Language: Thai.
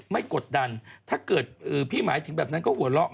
กดดันถ้าเกิดพี่หมายถึงแบบนั้นก็หัวเราะ